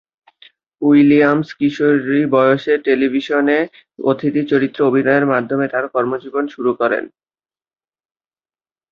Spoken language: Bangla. উইলিয়ামস কিশোরী বয়সে টেলিভিশনে অতিথি চরিত্রে অভিনয়ের মাধ্যমে তার কর্মজীবন শুরু করেন।